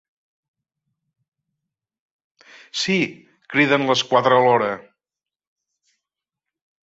Síííí! —criden les quatre alhora.